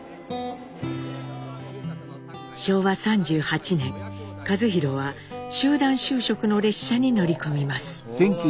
昭和３８年一寛は集団就職の列車に乗り込みます。